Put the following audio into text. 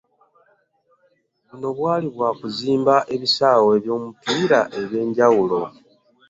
Buno bwali bwa kuzimba ebisaawe by'omupiira eby'enjawulo